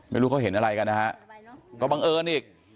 ไม่รู้เขาเห็นอะไรกันนะฮะก็บังเอิญอีก